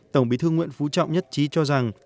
tổng bí thư nguyễn phú trọng nhất trí cho rằng